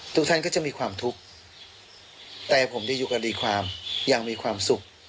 ทุกท่านก็จะมีความทุกข์แต่ผมจะอยู่กับดีความยังมีความสุข